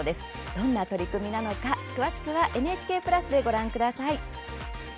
どんな取り組みなのか、詳しくはＮＨＫプラスでご覧ください。